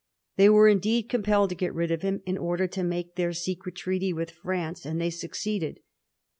They were, indeed, compelled to get rid of hini in order to make their secret treaty with France, and they succeeded.